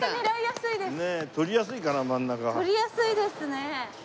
取りやすいですね。